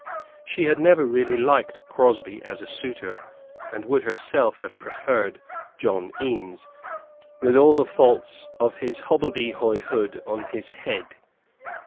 She had never really liked Crosbie as a suitor, and would herself have preferred John Eames, with all the faults of his hobbledehoyhood on his head.